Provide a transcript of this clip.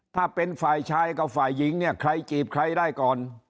ถ้าเป็นฝ่ายชายกับฝ่ายหญิงเนี่ยใครจีบใครได้ก่อน